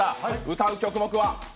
歌う曲目は？